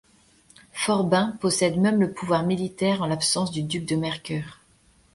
Forbin possède même le pouvoir militaire en l'absence du duc de Mercœur.